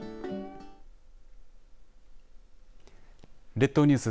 列島ニュース